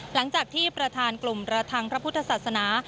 หลังจากที่ประธานกลุ่มระทังพระพุทธศาสนา